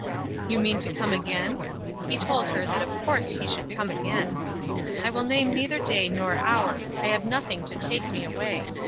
"You mean to come again?" He told her that of course he should come again. "I will name neither day nor hour. I have nothing to take me away.